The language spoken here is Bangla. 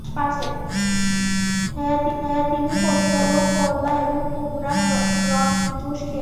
হ্যাঁ তিনি প্রত্যহ করলা এবং কুমড়ার জুস খেয়েছেন।